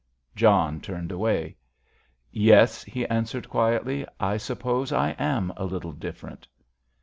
John turned away. "Yes," he answered, quietly, "I suppose I am a little different."